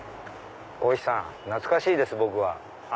こひさん懐かしいです僕は。